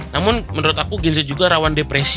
namun menurut aku gense juga rawan depresi